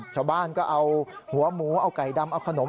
ชาวบ้านก็เอาหัวหมูเอาไก่ดำเอาขนม